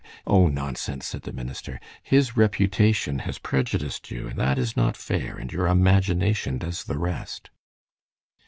"O, nonsense," said the minister. "His reputation has prejudiced you, and that is not fair, and your imagination does the rest."